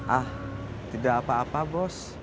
ah tidak apa apa bos